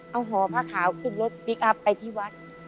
เอาหอพระขาข์ขึ้นรถวัดไปที่วัด